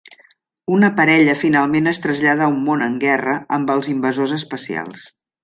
Una parella finalment es trasllada a un món en guerra amb els invasors espacials.